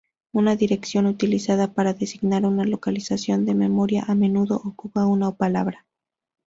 Una dirección utilizada para designar una localización de memoria a menudo ocupa una palabra.